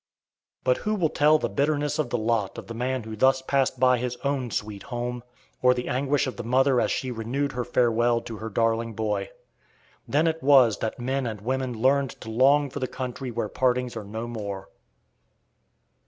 But who will tell the bitterness of the lot of the man who thus passed by his own sweet home, or the anguish of the mother as she renewed her farewell to her darling boy? Then it was that men and women learned to long for the country where partings are no more.